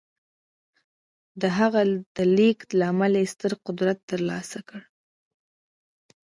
د هغه د لېږد له امله یې ستر قدرت ترلاسه کړ